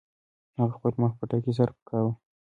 هغه خپل مخ پټکي سره پاکاوه.